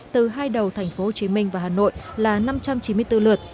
từ hai đầu thành phố hồ chí minh và hà nội là năm trăm chín mươi bốn lượt